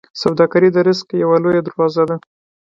سوداګري د رزق یوه لویه دروازه ده.